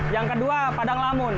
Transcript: yang kedua padang lamun